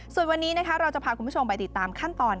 ส่วนวันนี้นะคะเราจะพาคุณผู้ชมไปติดตามขั้นตอน